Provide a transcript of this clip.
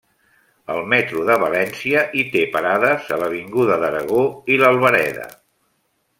El metro de València hi té parades a l'avinguda d'Aragó i l'Albereda.